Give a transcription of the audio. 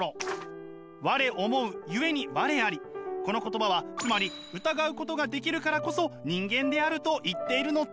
この言葉はつまり疑うことができるからこそ人間であると言っているのです！